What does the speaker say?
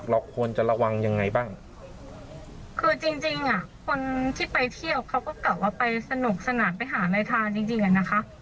เราควรจะระวังยังไงบ้างคือจริงจริงอ่ะคนที่ไปเที่ยวเขาก็กลับว่าไปสนุกสนานไปหานายทานจริงจริงอ่ะนะคะ